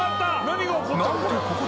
何が起こったの？